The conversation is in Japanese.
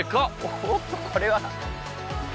おっとこれは。